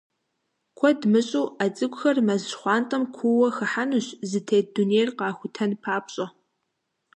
Куэд мыщӀэу, а цӏыкӏухэр мэз щхъуантӀэм куууэ хыхьэнущ, зытет дунейр къахутэн папщӏэ.